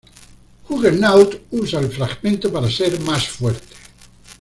Juggernaut usa el fragmento para ser más fuerte.